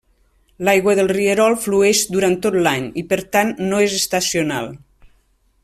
L'aigua del rierol flueix durant tot l'any, i per tant no és estacional.